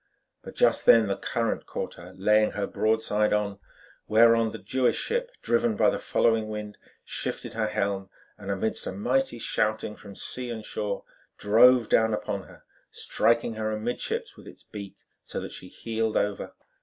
But just then the current caught her, laying her broadside on, whereon the Jewish ship, driven by the following wind, shifted her helm and, amidst a mighty shouting from sea and shore, drove down upon her, striking her amidships with its beak so that she heeled over.